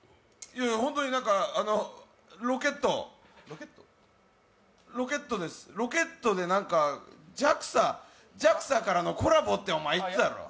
ホントにロケットロケットで、ＪＡＸＡからのコラボってお前、言ってたろう。